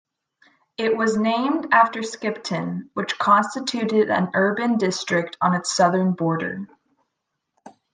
It was named after Skipton, which constituted an urban district on its southern border.